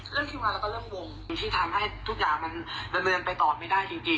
เรื่องคิวงานและก็เรื่องวงที่ทำให้ทุกอย่างมันเรือนไปต่อไม่ได้จริงจริง